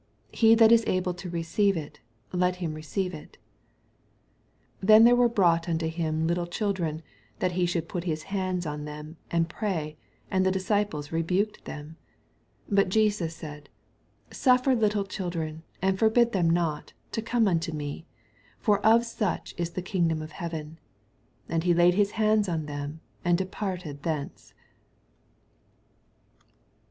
He that is able to receive U, let him receive it. 13 Then were there brought unto him little children, that he shouid'pat his hands on them, and pray : and the disciples rebuked them. 14 jBut Jesus said. Suffer little chil dren, and forbid them not, to come unto me : for of such is the kingdom of heaven. 15 And he laid his hands on them, and departed thence.